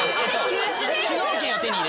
主導権を手に入れる？